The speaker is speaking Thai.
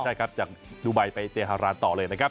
ใช่ครับจากดูไบไปเตียฮารานต่อเลยนะครับ